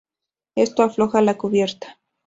Esto afloja la cubierta.